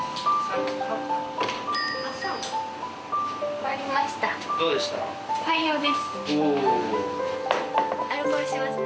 終わりました。